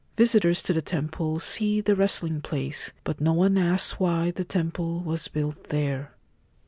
Visitors to the temple see the wrestling place ; but no one asks why the temple was built there.